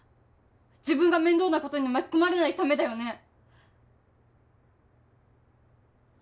自分が面倒なことに巻き込まれないためだよね？